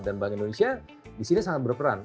dan bank indonesia disini sangat berperan